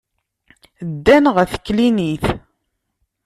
Ddan ɣer teklinit.